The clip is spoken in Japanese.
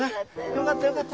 よかったよかった。